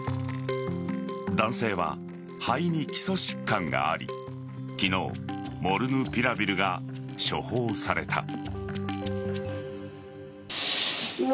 男性は肺に基礎疾患があり昨日、モルヌピラビルが処方された。